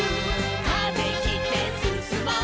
「風切ってすすもう」